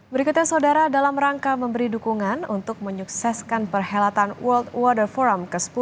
berikutnya saudara dalam rangka memberi dukungan untuk menyukseskan perhelatan world water forum ke sepuluh